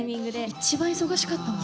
一番忙しかったもんね。